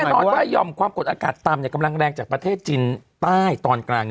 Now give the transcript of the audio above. แน่นอนว่ายอมความกดอากาศต่ำกำลังแรงจากประเทศจีนใต้ตอนกลาง